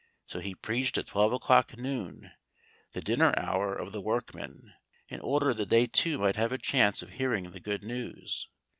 So he preached at twelve o'clock noon, the dinner hour of the workmen, in order that they too might have a chance of hearing the good news.